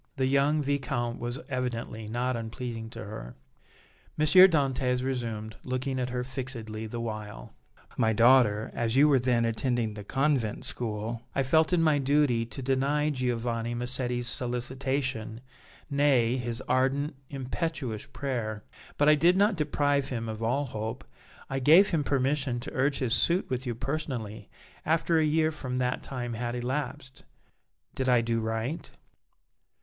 The young Viscount was evidently not unpleasing to her. M. Dantès resumed, looking at her fixedly the while: "My daughter, as you were then attending the convent school I felt it my duty to deny Giovanni Massetti's solicitation, nay, his ardent, impetuous prayer, but I did not deprive him of all hope; I gave him permission to urge his suit with you personally after a year from that time had elapsed. Did I do right?"